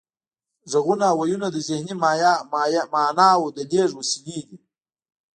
غږونه او وییونه د ذهني معناوو د لیږد وسیلې دي